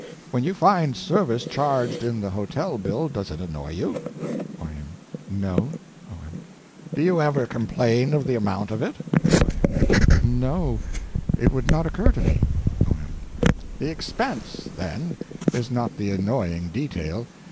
When you find service charged in the hotel bill does it annoy you? Y.M. No. O.M. Do you ever complain of the amount of it? Y.M. No, it would not occur to me. O.M. The expense, then, is not the annoying detail.